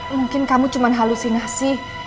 mungkin kamu cuma halusinasi